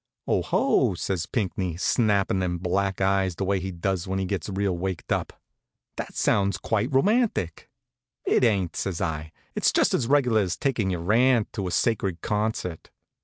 "Oh ho!" says Pinckney, snappin' them black eyes the way he does when he gets real waked up. "That sounds quite romantic." "It ain't," says I. "It's just as reg'lar as takin' your aunt to a sacred concert."